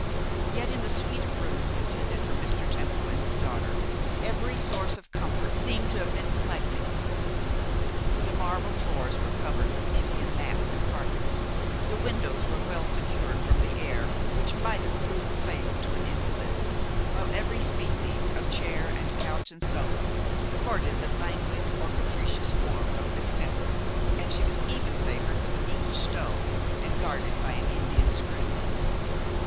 Yet in the suite of rooms intended for Mr. Temple and his daughter, every source of comfort seemed to have been collected. The marble floors were covered with Indian mats and carpets, the windows were well secured from the air which might have proved fatal to an invalid, while every species of chair and couch, and sofa, courted the languid or capricious form of Miss Temple, and she was even favoured with an English stove, and guarded by an Indian screen.